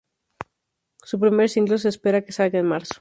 Su primer single, se espera que salga en marzo.